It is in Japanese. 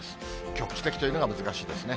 局地的というのが難しいですね。